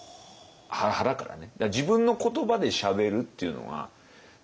腹からね。